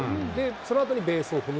そのあとにベースを踏む。